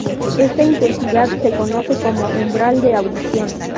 Esta intensidad se conoce como umbral de audición.